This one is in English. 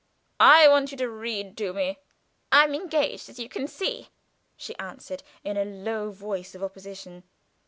I want you to read to me." "I am engaged, as you may see," she answered in a low voice of opposition.